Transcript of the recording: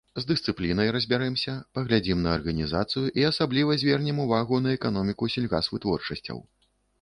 З дысцыплінай разбярэмся, паглядзім на арганізацыю і асабліва звернем увагу на эканоміку сельгасвытворчасцяў.